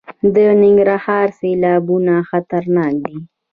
د ننګرهار سیلابونه خطرناک دي